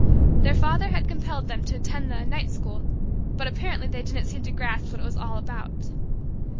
Their father had compelled them to attend the "night school," but apparently they didn't seem to grasp what it was all about.